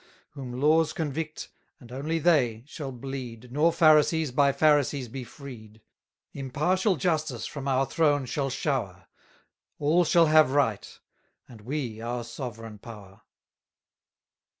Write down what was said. Whom laws convict, and only they, shall bleed, Nor pharisees by pharisees be freed. Impartial justice from our throne shall shower, All shall have right, and we our sovereign power.